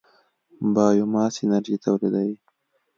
بایوماس انرژي تولیدوي.